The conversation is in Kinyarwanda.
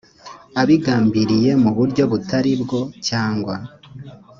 abigambiriye mu buryo butari bwo cyangwa